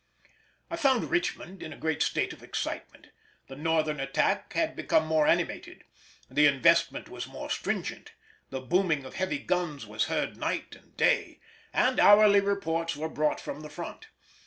I found Richmond in a great state of excitement; the Northern attack had become more animated; the investment was more stringent; the booming of heavy guns was heard night and day; and hourly reports were brought from the front.